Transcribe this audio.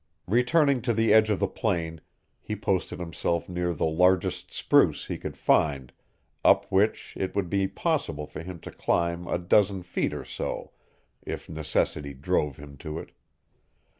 Returning to the edge of the plain, he posted himself near the largest spruce he could find, up which it would be possible for him to climb a dozen feet or so if necessity drove him to it.